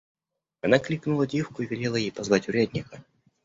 Она кликнула девку и велела ей позвать урядника.